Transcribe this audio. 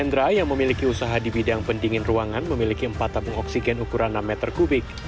hendra yang memiliki usaha di bidang pendingin ruangan memiliki empat tabung oksigen ukuran enam meter kubik